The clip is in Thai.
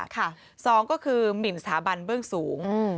สองก็คือหมินสถาบันเบื้องสูง